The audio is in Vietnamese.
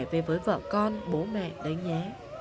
về với vợ con bố mẹ đấy nhé